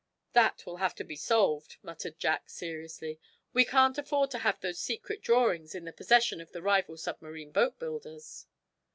"That will have to be solved," muttered Jack, seriously. "We can't afford to have those secret drawings in the possession of the rival submarine boat builders."